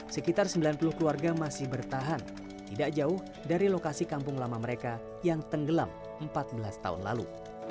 sekitar sembilan puluh keluarga masih bertahan tidak jauh dari lokasi kampung lama mereka yang tenggelam empat belas tahun lalu